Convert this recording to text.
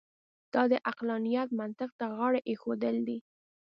دا د عقلانیت منطق ته غاړه اېښودل دي.